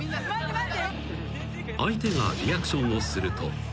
［相手がリアクションをすると］